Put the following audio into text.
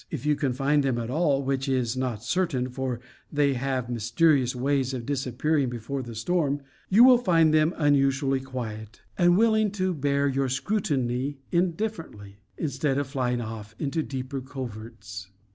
If you can find them at all (which is not certain, for they have mysterious ways of disappearing before a storm), you will find them unusually quiet, and willing to bear your scrutiny indifferently, instead of flying off into deeper coverts.